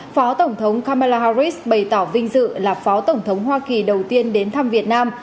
phó tổng thống kamala harris bày tỏ vinh dự là phó tổng thống hoa kỳ đầu tiên đến thăm việt nam